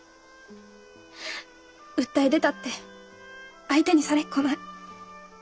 訴え出たって相手にされっこない。